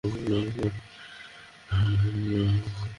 কিন্তু আজ এই বাচ্চাদের সাথে তুমি যা করেছো, এটাও কি অন্যায় নয়?